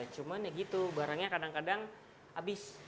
cuma ya gitu barangnya kadang kadang habis